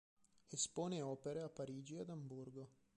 Espone opere a Parigi e ad Amburgo.